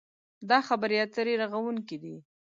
دا خبرې اترې رغوونکې دي.